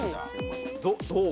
どう？